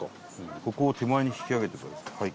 「ここを手前に引き上げてください」。